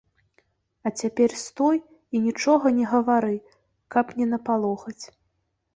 А цяпер стой і нічога не гавары, каб не напалохаць.